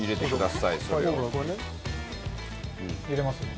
入れますね。